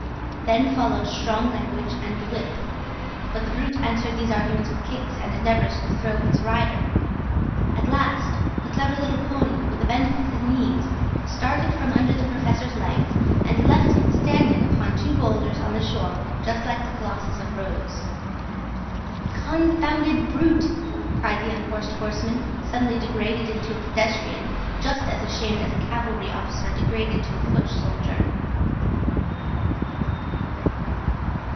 Then followed strong language, and the whip; but the brute answered these arguments with kicks and endeavours to throw his rider. At last the clever little pony, with a bend of his knees, started from under the Professor's legs, and left him standing upon two boulders on the shore just like the colossus of Rhodes. "Confounded brute!" cried the unhorsed horseman, suddenly degraded into a pedestrian, just as ashamed as a cavalry officer degraded to a foot soldier.